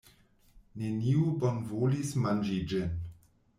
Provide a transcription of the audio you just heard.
Neniu bonvolis manĝi ĝin.